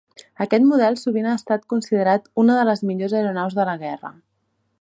Aquest model sovint ha estat considerat una de les millors aeronaus de la guerra.